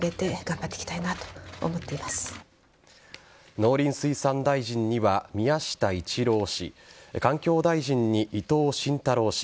農林水産大臣には宮下一郎氏環境大臣に伊藤信太郎氏